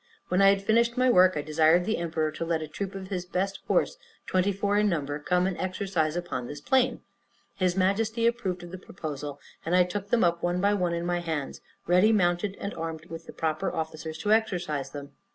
When I had finished my work, I desired the emperor to let a troop of his best horse, twenty four in number, come and exercise upon this plain. His Majesty approved of the proposal, and I took them up one by one in my hands, ready mounted and armed, with the proper officers to exercise them.